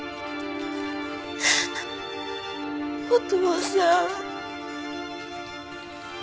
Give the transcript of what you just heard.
お父さん。